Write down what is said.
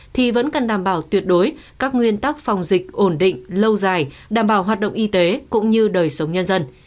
thì vẫn cần đảm bảo tuyệt đối các nguyên tắc phòng dịch ổn định lâu dài đảm bảo hoạt động y tế cũng như đời sống nhân dân